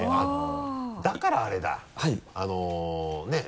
だからあれだ。ねぇ？